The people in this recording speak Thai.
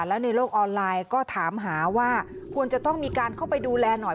แล้วในโลกออนไลน์ก็ถามหาว่าควรจะต้องมีการเข้าไปดูแลหน่อย